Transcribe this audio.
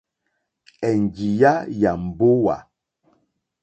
Ènjìyá yà mbówà.